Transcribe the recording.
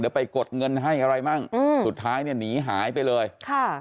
ไปกดเงินให้อะไรมั่งอืมสุดท้ายเนี่ยหนีหายไปเลยค่ะ